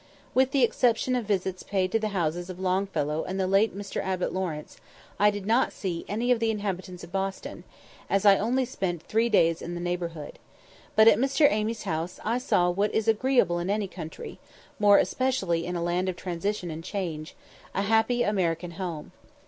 With the exception of visits paid to the houses of Longfellow and the late Mr. Abbott Lawrence, I did not see any of the inhabitants of Boston, as I only spent three days in the neighbourhood; but at Mr. Amy's house I saw what is agreeable in any country, more especially in a land of transition and change a happy American home.